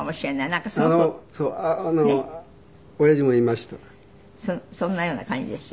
そんなような感じですよ。